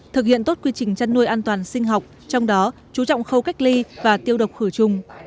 thực hiện tốt quy trình chăn nuôi an toàn sinh học trong đó chú trọng khâu cách ly và tiêu độc khử trùng